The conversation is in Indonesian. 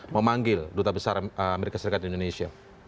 memanggil duta besar amerika serikat di indonesia